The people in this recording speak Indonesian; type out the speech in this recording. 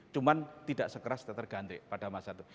cuma tidak sekeras teater gandrik pada masa itu